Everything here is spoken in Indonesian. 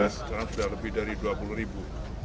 sekarang sudah lebih dari dua puluh ribu